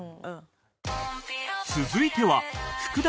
続いては福田